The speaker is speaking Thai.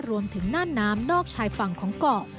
หน้าน้ำนอกชายฝั่งของเกาะ